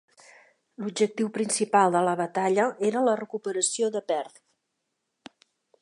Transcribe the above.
L'objectiu principal de la batalla era la recuperació de Perth.